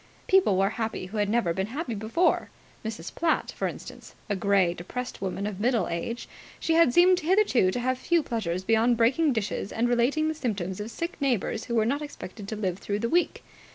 People were happy who had never been happy before. Mrs. Platt, for instance. A grey, depressed woman of middle age, she had seemed hitherto to have few pleasures beyond breaking dishes and relating the symptoms of sick neighbours who were not expected to live through the week.